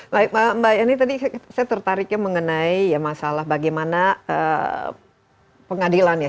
baik mbak yeni tadi saya tertariknya mengenai masalah bagaimana pengadilan ya